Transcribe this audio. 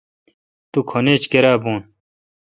تم کھن ایچ کیرا بھون۔